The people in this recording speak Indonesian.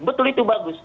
betul itu bagus